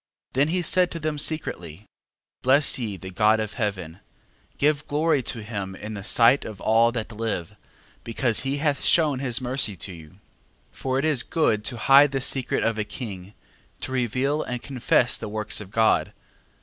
Then he said to them secretly, Bless ye the God of heaven, give glory to him in the sight of all that live, because he hath shewn his mercy to you. 12:7. For it is good to hide the secret of a king: to reveal and confess the works of God.